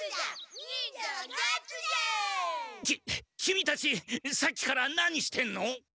キキミたちさっきから何してんの？